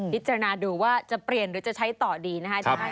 พิจารณาดูว่าจะเปลี่ยนหรือจะใช้ต่อดีนะคะ